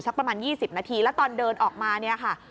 ประมาณ๒๐นาทีแล้วตอนเดินออกมาเนี่ยค่ะ